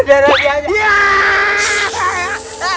darah dia aja